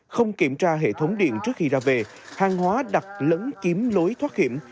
không kiểm tra hệ thống điện trước khi ra về hàng hóa đặt lấn chiếm lối thoát hiểm